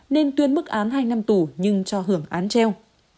nên tuyên mức án hai năm tù nhưng cho hưởng án treo